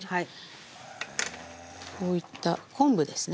こういった昆布ですね